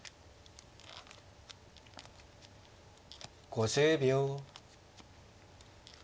５０秒。